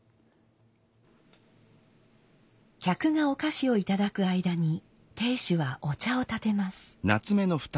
客がお菓子をいただく間に亭主はお茶を点てます。